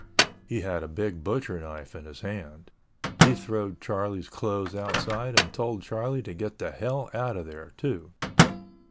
He had a big butcher knife in his hand. He throwed Charlies' clothes outside and told Charlie to get the hell out of there too.